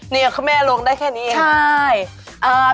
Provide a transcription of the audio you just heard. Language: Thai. นี่คุณแม่ลงได้แค่นี้เอง